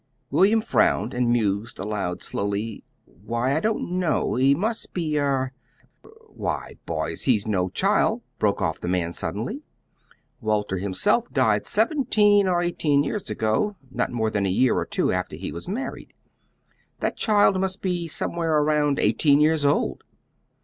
William frowned, and mused aloud slowly. "Why, I don't know. He must be er why, boys, he's no child," broke off the man suddenly. "Walter himself died seventeen or eighteen years ago, not more than a year or two after he was married. That child must be somewhere around eighteen years old!"